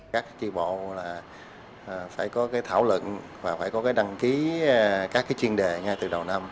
các tri bộ phải có thảo luận và phải có đăng ký các chuyên đề từ đầu năm